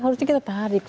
harusnya kita tarik